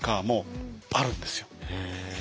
へえ。